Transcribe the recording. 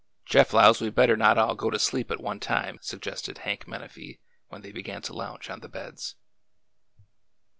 Jeff 'lows we M better not all go to sleep at one time," suggested Hank Menafee when they began to lounge on the beds.